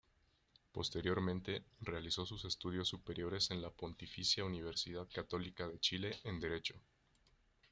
Posteriormente, realizó sus estudios superiores en la Pontificia Universidad Católica de Chile en Derecho.